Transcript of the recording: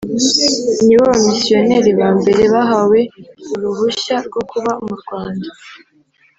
ni bo bamisiyonari ba mbere bahawe uruhushya rwo kuba mu Rwanda